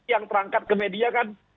yang terangkat ke media kan